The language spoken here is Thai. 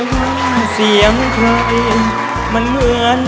เพลงเปลงร้องแม่ง